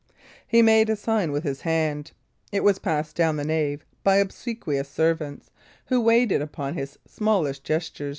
He made a sign with his hand; it was passed down the nave by obsequious servants, who waited there upon his smallest gesture.